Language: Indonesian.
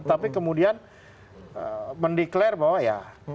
tapi kemudian mendeklarasi bahwa ya